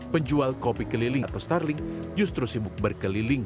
penjual kopi keliling atau starling justru sibuk berkeliling